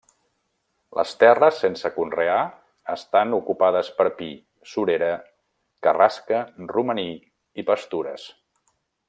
Les terres sense conrear estan ocupades per pi, surera, carrasca, romaní i pastures.